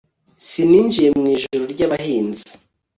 sininjiye mw'ijuru ry'abahanzi